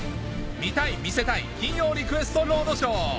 見たい見せたい金曜リクエストロードショー